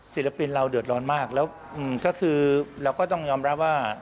ศิลปินเราเดือดร้อนมากแล้วก็คือเราก็ต้องยอมรับว่า